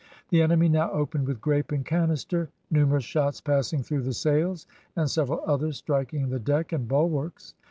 The enemy now opened with grape and canister, numerous shots passing through the sails, and several others striking the deck and bulwarks.